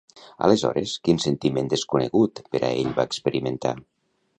Aleshores, quin sentiment desconegut per a ell va experimentar?